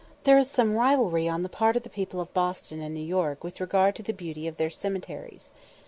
There is some rivalry on the part of the people of Boston and New York with regard to the beauty of their cemeteries.